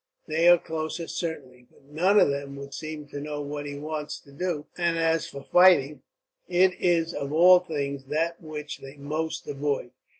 "They are closer, certainly, but none of them would seem to know what he wants to do; and as for fighting, it is of all things that which they most avoid.